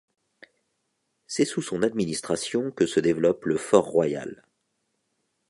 C'est sous son administration que se développe le Fort-Royal.